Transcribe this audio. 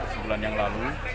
sebulan yang lalu